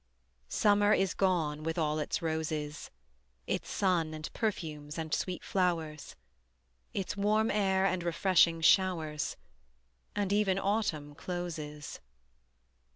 Summer is gone with all its roses, Its sun and perfumes and sweet flowers, Its warm air and refreshing showers: And even Autumn closes.